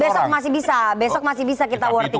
besok masih bisa besok masih bisa kita war ticket